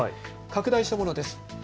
拡大したものです。